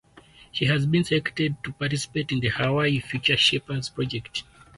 She has been selected to participate in the Huawei Future Shapers Project.